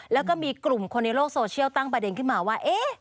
แล้วก็มีกลุ่มคนในโลกโซเชียลตั้งประเด็นขึ้นมาว่า